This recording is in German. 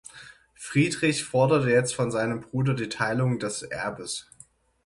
Friedrich forderte jetzt von seinem Bruder die Teilung des Erbes.